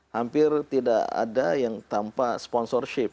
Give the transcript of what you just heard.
hampir tidak ada yang tanpa sponsorship